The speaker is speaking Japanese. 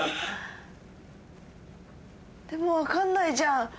でも分かんないじゃん。